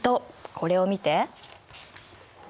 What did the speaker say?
これを見て。